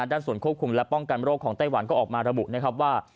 ด้านส่วนควบคุมและป้องกันโรคของไต้หวันก็ออกมาระบุนะครับว่า